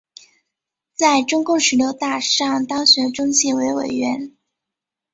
在中共十六大上当选中纪委委员。